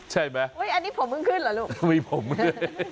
ใช่มั้ยอันนี้ผมมึงขึ้นหรอลูกไม่ผมเลย